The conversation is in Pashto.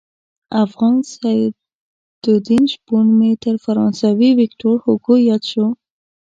افغان سعدالدین شپون مې تر فرانسوي ویکتور هوګو ياد شو.